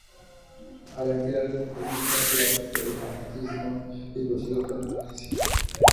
Al enfriar el disco rápidamente, el magnetismo inducido permanece.